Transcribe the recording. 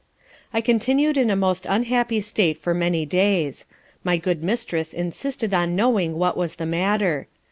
I continued in a most unhappy state for many days. My good mistress insisted on knowing what was the matter.